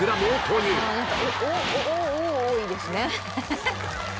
お多いですね。